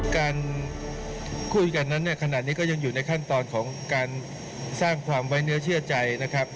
การคุยกันนั้นเนี่ยขณะนี้ก็ยังอยู่ในขั้นตอนของการสร้างความไว้เนื้อเชื่อใจนะครับ